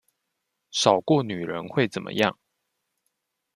少過女人會怎麼樣？